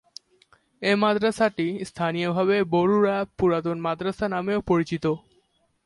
এই মাদ্রাসাটি স্থানীয়ভাবে বরুড়া পুরাতন মাদ্রাসা নামেও পরিচিত।